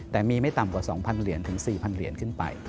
แต่มีไม่ต่ำกว่า๒๐๐เหรียญถึง๔๐๐เหรียญขึ้นไป